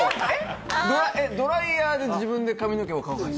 ドライヤーで自分の髪の毛を乾かした？